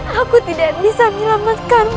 aku tidak bisa menyelamatkanmu